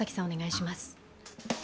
お願いします。